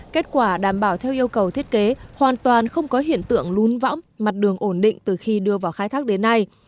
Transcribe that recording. kết quả đảm bảo theo yêu cầu thiết kế hoàn toàn không có hiện tượng lún võng mặt đường ổn định từ khi đưa vào khai thác đến nay